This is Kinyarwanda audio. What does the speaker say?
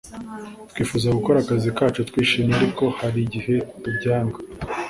twifuza gukora akazi kacu twishimye ariko hari igihe tubyanga